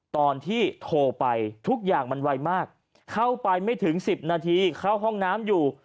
ตอนที่โทรไปทุกอย่างมันไวมากเข้าไปไม่ถึง๑๐นาทีเข้าห้องน้ำอยู่